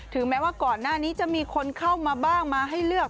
แม้ว่าก่อนหน้านี้จะมีคนเข้ามาบ้างมาให้เลือก